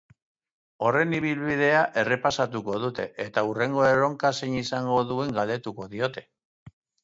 Horren ibilbidea errepasatuko dute, eta hurrengo erronka zein izango duen galdetuko diote.